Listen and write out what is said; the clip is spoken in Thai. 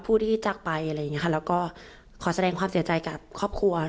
ผู้ที่จักรไปอะไรอย่างนี้ค่ะแล้วก็ขอแสดงความเสียใจกับครอบครัว